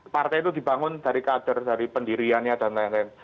partai itu dibangun dari kader dari pendiriannya dan lain lain